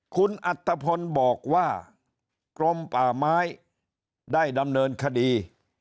คุณอัตภพลบอกว่ากรมป่าไม้ได้ดำเนินคดี